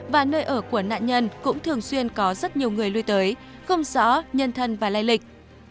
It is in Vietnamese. và nơi ở của nạn nhân cũng thường xuyên có rất nhiều người lui tới không rõ nhân thân và lây lịch